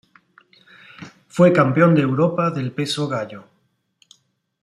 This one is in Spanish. Fue campeón de Europa del peso gallo.